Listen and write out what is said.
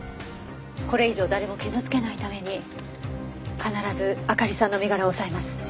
これ以上誰も傷つけないために必ずあかりさんの身柄を押さえます。